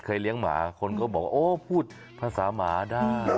เลี้ยงหมาคนก็บอกโอ้พูดภาษาหมาได้